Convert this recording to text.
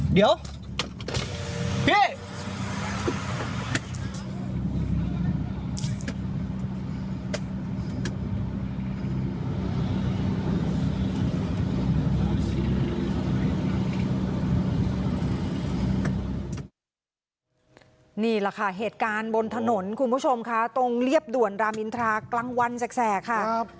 นี่แหละค่ะเหตุการณ์บนถนนคุณผู้ชมค่ะตรงเรียบด่วนรามอินทรากลางวันแสกค่ะ